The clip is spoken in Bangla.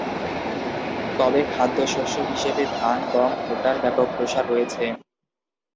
তবে খাদ্য শস্য হিসেবে ধান, গম, ভুট্টার ব্যাপক প্রসার রয়েছে।